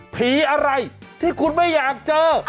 ผีอะไรที่คุณไม่อยากเจอ